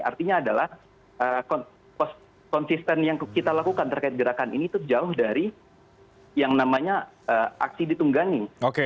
artinya adalah konsisten yang kita lakukan terkait gerakan ini itu jauh dari yang namanya aksi ditunggangi